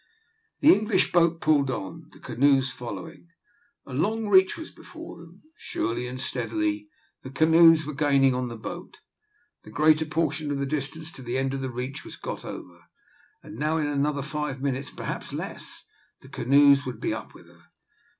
The English boat pulled on, the canoes following. A long reach was before them. Surely and steadily the canoes were gaining on the boat. The greater portion of the distance to the end of the reach was got over, and now in another five minutes, perhaps less, the canoes would be up with her.